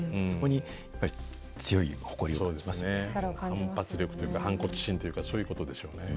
反発力というか反骨心というかそういうことでしょうね。